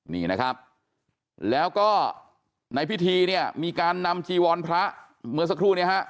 นี่นะครับแล้วก็ในพิธีเนี่ยมีการนำจีวรพระเมื่อสักครู่เนี่ยฮะ